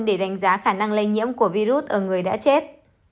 để đánh giá khả năng lây nhiễm của virus ở người đã chết